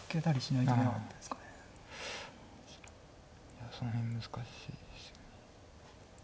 いやその辺難しいですよね。